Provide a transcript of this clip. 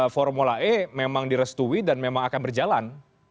formula e memang direstui dan memang akan berjalan